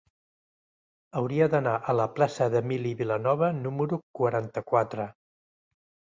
Hauria d'anar a la plaça d'Emili Vilanova número quaranta-quatre.